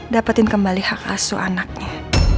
dapetin kembali hak asu anaknya